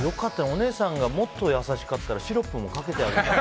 お姉さんがもっと優しかったらシロップもかけてあげて。